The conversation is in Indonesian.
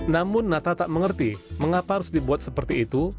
namun nata tak mengerti mengapa harus dibuat seperti itu